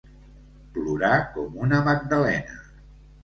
Plorar com una Magdalena.